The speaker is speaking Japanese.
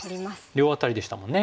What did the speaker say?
両アタリでしたもんね。